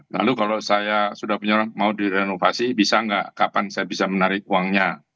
lalu kalau saya sudah punya orang mau direnovasi bisa nggak kapan saya bisa menarik uangnya